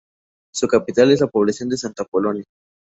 Su capital es la población de Santa Apolonia.